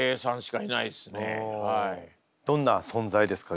どんな存在ですか？